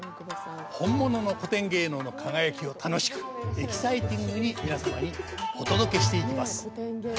本物の古典芸能の輝きを楽しくエキサイティングに皆様にお届けしていきます。